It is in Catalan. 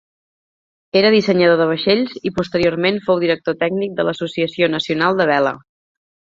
Era dissenyador de vaixells i posteriorment fou director tècnic de l'associació nacional de vela.